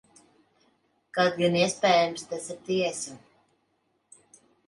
Kaut gan, iespējams, tas ir tiesa.